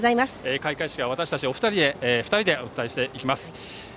開会式は私たち２人でお伝えしていきます。